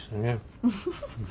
フフフフ。